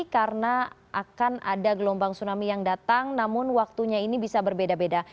karena akan ada gelombang tsunami yang datang namun waktunya ini bisa berbeda beda